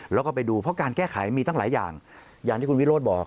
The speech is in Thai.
แล้วก็ไปดูเพราะการแก้ไขมีตั้งหลายอย่างอย่างที่คุณวิโรธบอก